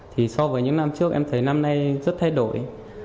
thì so với những năm trước em thấy năm nay rất thay đổi